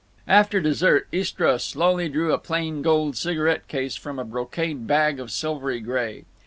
After dessert Istra slowly drew a plain gold cigarette case from a brocade bag of silvery gray.